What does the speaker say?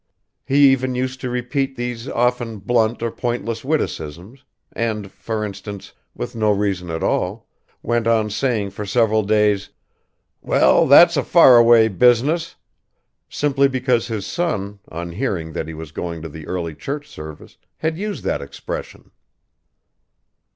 He even used to repeat these often blunt or pointless witticisms, and for instance, with no reason at all, went on saying for several days, "Well, that's a far away business," simply because his son, on hearing that he was going to the early church service, had used that expression.